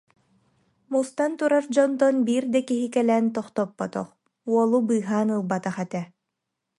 Мустан турар дьонтон биир да киһи кэлэн тохтоппотох, уолу быыһаан ылбатах этэ